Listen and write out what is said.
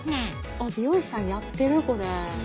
あっ美容師さんやってるこれ。